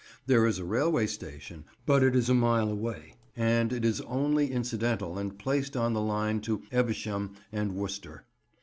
There is a railway station, but it is a mile away and it is only incidental and placed on the line to Evesham and Worcester.